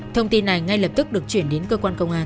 thông tin này ngay lập tức được chuyển đến cơ quan công an